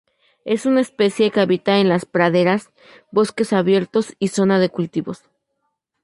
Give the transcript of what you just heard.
Es una especie que habita en las praderas, bosques abiertos y zona de cultivos.